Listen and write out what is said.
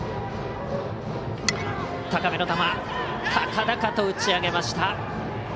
高々と打ち上げました。